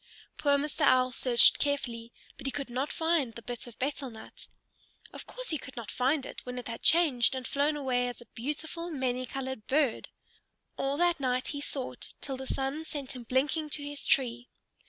Poor Mr. Owl searched carefully, but he could not find the bit of betel nut. Of course he could not find it, when it had changed and flown away as a beautiful, many colored bird! All that night he sought, till the sun sent him blinking to his tree.